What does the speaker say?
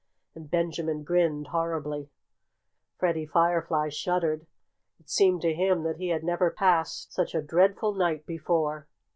And Benjamin grinned horribly. Freddie Firefly shuddered. It seemed to him that he had never passed such a dreadful night before.